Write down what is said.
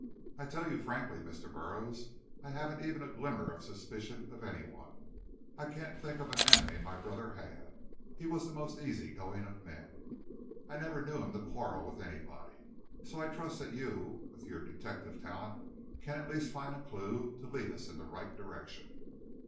I tell you frankly, Mr. Burroughs, I haven't even a glimmer of a suspicion of any one. I can't think of an enemy my brother had; he was the most easy going of men. I never knew him to quarrel with anybody. So I trust that you, with your detective talent, can at least find a clue to lead us in the right direction."